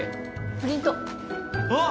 プリントあっ！